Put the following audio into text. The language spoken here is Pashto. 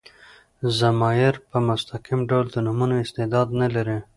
ضمایر په مستقیم ډول د نومونو استعداد نه لري.